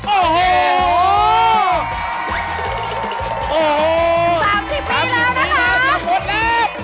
โอ้โหโอ้โห๓๐ปีแล้วนะคะ